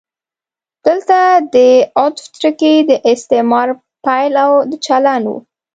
دلته د عطف ټکی د استعمار پیل او د چلند و.